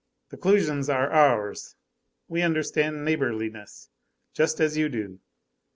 The Clusians are ours. We understand neighborliness just as you do.